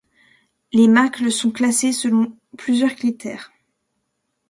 Les macles sont classées selon plusieurs critères.